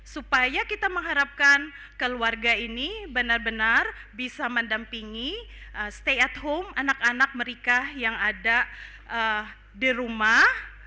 supaya kita mengharapkan keluarga ini benar benar bisa mendampingi stay at home anak anak mereka yang ada di rumah